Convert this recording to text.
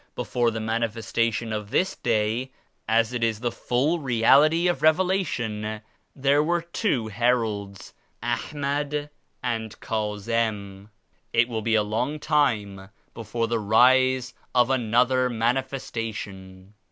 Before the Manifes tation of this Day, as it is the full Reality of Reve lation, there were two Heralds, Ahmad and Ka zim. It will be a long time before the rise of another Manifestation.